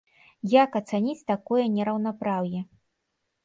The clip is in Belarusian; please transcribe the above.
Як ацаніць такое нераўнапраўе?